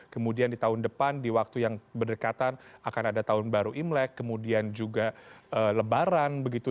kemudian di tahun depan di waktu yang berdekatan akan ada tahun baru imlek kemudian juga lebaran begitu